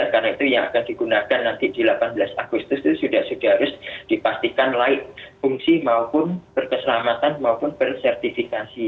karena itu yang akan digunakan nanti di delapan belas agustus itu sudah sudah harus dipastikan layak fungsi maupun berkeselamatan maupun bersertifikasi